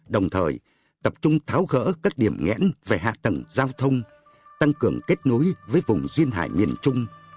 đồng thời tập trung tháo gỡ các điểm nghẽn về hạ tầng giao thông tăng cường kết nối với vùng duyên hải miền trung